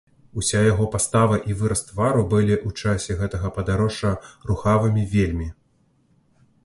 Уся яго пастава і выраз твару былі ў часе гэтага падарожжа рухавымі вельмі.